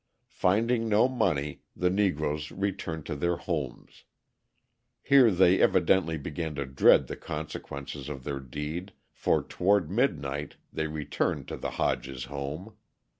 Finding no money, the Negroes returned to their homes. Here they evidently began to dread the consequences of their deed, for toward midnight they returned to the Hodges home.